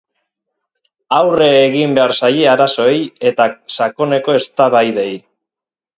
Aurre egin behar zaie arazoei eta sakoneko eztabaidei.